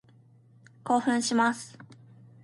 興奮します。